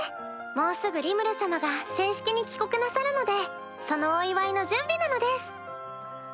もうすぐリムル様が正式に帰国なさるのでそのお祝いの準備なのです。